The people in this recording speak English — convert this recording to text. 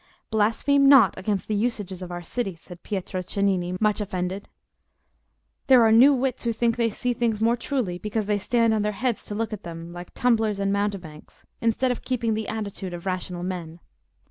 "Blaspheme not against the usages of our city," said Pietro Cennini, much offended. "There are new wits who think they see things more truly because they stand on their heads to look at them, like tumblers and mountebanks, instead of keeping the attitude of rational men.